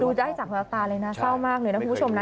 จะให้จากแววตาเลยนะเศร้ามากเลยนะคุณผู้ชมนะ